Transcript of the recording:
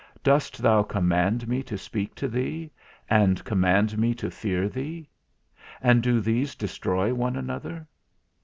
Dost thou command me to speak to thee, and command me to fear thee; and do these destroy one another?